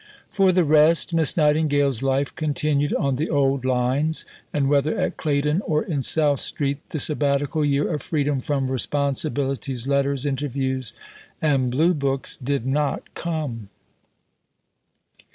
For the rest, Miss Nightingale's life continued on the old lines, and whether at Claydon or in South Street the Sabbatical year of freedom from responsibilities, letters, interviews, and Blue books did not come.